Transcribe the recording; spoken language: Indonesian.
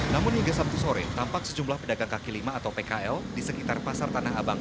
namun hingga sabtu sore tampak sejumlah pedagang kaki lima atau pkl di sekitar pasar tanah abang